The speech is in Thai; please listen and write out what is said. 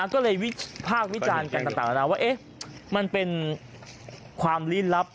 ก็เลยภาควิจารณ์กันต่างแล้วว่ามันเป็นความลิ้นลับ